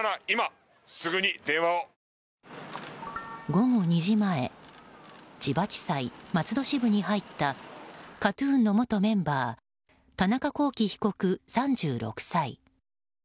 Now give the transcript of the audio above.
午後２時前千葉地裁松戸支部に入ったＫＡＴ‐ＴＵＮの元メンバー田中聖被告、３６歳。